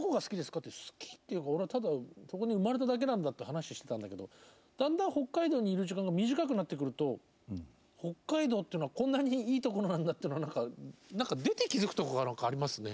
って好きっていうか俺はただそこに生まれただけなんだって話してたんだけどだんだん北海道にいる時間が短くなってくると北海道というのはこんなにいいところなんだというのは何か出て気付くとこが何かありますね。